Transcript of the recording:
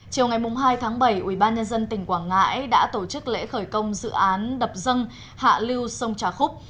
chiều ngày hai tháng bảy ubnd tỉnh quảng ngãi đã tổ chức lễ khởi công dự án đập dân hạ lưu sông trà khúc